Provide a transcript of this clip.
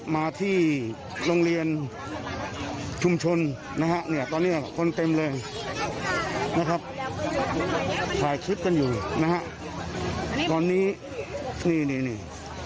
มาที่โรงเรียนชุมชนนะฮะเนี่ยตอนเนี้ยคนเต็มเลยนะครับถ่ายคลิปกันอยู่นะฮะตอนนี้นี่นี่